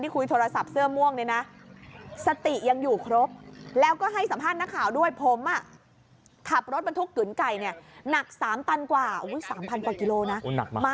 ขอดูหน้าพี่อันนท์หน่อยได้ไหม